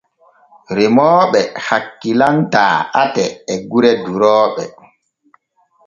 Remooɓe hakkilantaa ate e gure durooɓe.